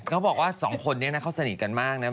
เขาบอกว่าสองคนนี้นะเขาสนิทกันมากนะ